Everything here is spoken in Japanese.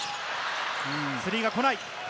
スリーが来ない。